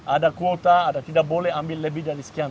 ada kuota ada tidak boleh ambil lebih dari sekian